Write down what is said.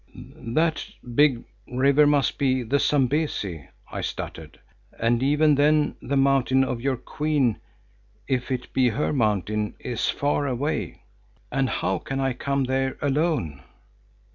"That big river must be the Zambesi," I stuttered, "and even then the mountain of your Queen, if it be her mountain, is far away, and how can I come there alone?"